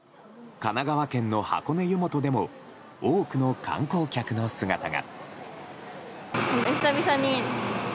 神奈川県の箱根湯本でも多くの観光客の姿が。